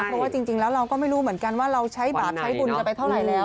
เพราะว่าจริงแล้วเราก็ไม่รู้เหมือนกันว่าเราใช้บาปใช้บุญกันไปเท่าไหร่แล้ว